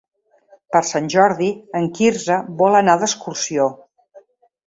Per Sant Jordi en Quirze vol anar d'excursió.